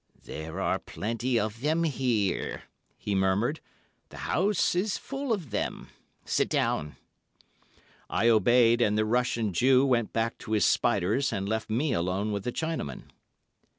"There are plenty of them here," he murmured; "the house is full of them. Sit down!" I obeyed, and the Russian Jew went back to his spiders and left me alone with the Chinaman.